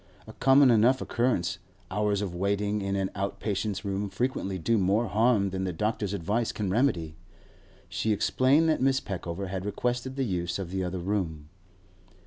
A common enough occurrence; hours of waiting in an out patients' room frequently do more harm than the doctor's advice can remedy. She explained that Mrs. Peckover had requested the use of the other room.